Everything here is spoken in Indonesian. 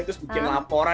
terus bikin laporan